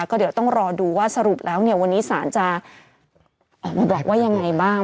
ก็เดี๋ยวต้องรอดูว่าสรุปแล้วเนี่ยวันนี้ศาลจะออกมาบอกว่ายังไงบ้าง